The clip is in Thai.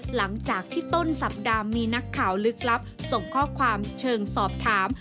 หลังจากที่ต้นสัปดาห์มีนักข่าวลึกลับส่งข้อความเชิงสอบถาม